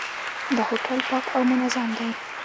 دا هوټل پاک او منظم دی.